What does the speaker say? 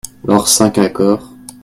Leurs cinq accords.